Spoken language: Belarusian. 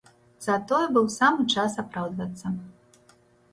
Затое быў самы час апраўдвацца.